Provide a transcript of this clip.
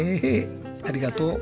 ありがとう。